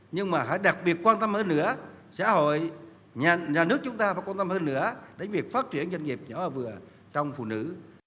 nhưng mà hãy đặc biệt quan tâm hơn nữa xã hội nhà nước chúng ta phải quan tâm hơn nữa đến việc phát triển doanh nghiệp nhỏ và vừa trong phụ nữ